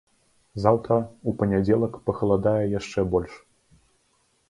Заўтра, у панядзелак пахаладае яшчэ больш.